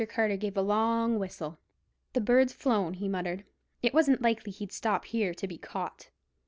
Carter gave a long whistle. "The bird's flown," he muttered. "It wasn't likely he'd stop here to be caught."